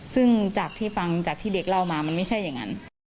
ซึ่งจากที่ฟังจากที่เด็กเล่ามามันไม่ใช่อย่างนั้น